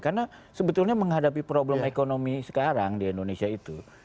karena sebetulnya menghadapi problem ekonomi sekarang di indonesia itu